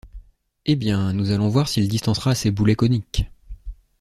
Eh bien! nous allons voir s’il distancera ses boulets coniques.